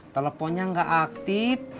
teleponnya gak aktif